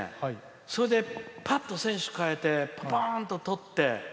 それで、ぱっと選手を代えてぱーんと取って。